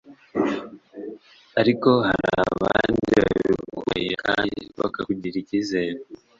Ariko hari abandi babikubahira kandi bakakugirira ikizere